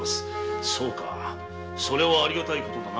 それはありがたいことだな。